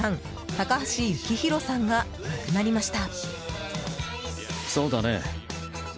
高橋幸宏さんが亡くなりました。